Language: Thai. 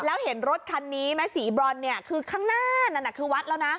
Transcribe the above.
แล้วเห็นรถคันนี้สีบร้อนคือข้างหน้านั้นน่ะคือวัดนั้นแล้วนะ